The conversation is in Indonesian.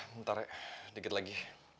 bentar ya dikit lagi